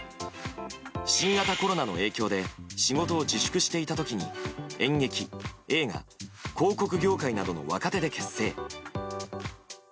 新型コロナの影響で仕事を自粛していた時に演劇、映画、広告業界などの若手で結成。